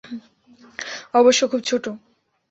অবশ্য খুব ছোট।